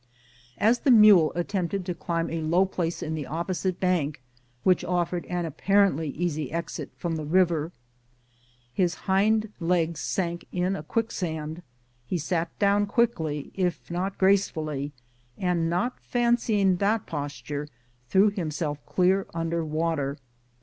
As the mule attempted to climb a low place in the opposite bank, which offered an apparently easy exit from the river, his hind legs sank in a quicksand, he sat down quickly, if not gracefully, and, not fancying that posture, threw himself clear under water.